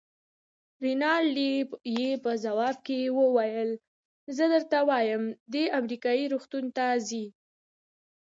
رینالډي یې په ځواب کې وویل: زه درته وایم، دی امریکایي روغتون ته ځي.